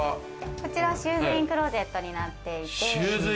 こちらはシューズインクローゼットになっていて。